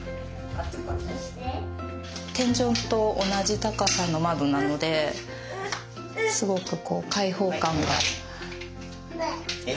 天井と同じ高さの窓なのですごくこう開放感がありますね。